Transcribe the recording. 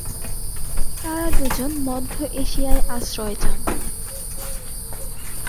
তারা দুজন মধ্য এশিয়ায় আশ্রয় চান।